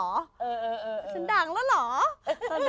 ฉันดังแล้วเหรอ